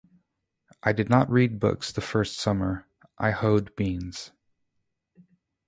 I did not read books the first summer; I hoed beans.